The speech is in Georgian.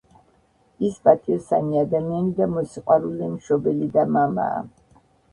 ის პატიოსანი ადამიანი და მოსიყვარულე მშობელი და მამაა.